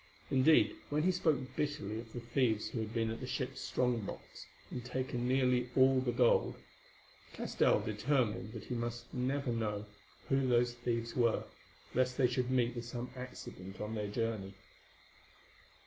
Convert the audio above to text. Indeed, when he spoke bitterly of the thieves who had been at the ship's strong box and taken nearly all the gold, Castell determined that he must never know who those thieves were, lest they should meet with some accident on their journey.